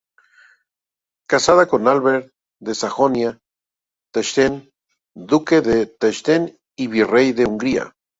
Casada con Alberto de Sajonia-Teschen, duque de Teschen y Virrey de Hungría.